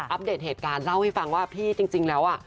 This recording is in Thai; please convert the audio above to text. เดตเหตุการณ์เล่าให้ฟังว่าพี่จริงแล้วอ่ะ